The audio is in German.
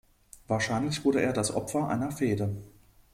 Wahrscheinlich wurde er das Opfer eine Fehde.